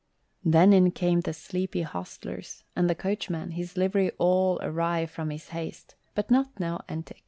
Then in came the sleepy hostlers, and the coachman, his livery all awry from his haste but not Nell Entick.